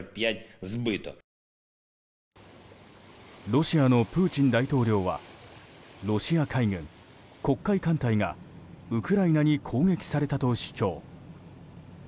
ロシアのプーチン大統領はロシア海軍、黒海艦隊がウクライナに攻撃されたと主張。